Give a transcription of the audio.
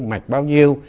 mạch bao nhiêu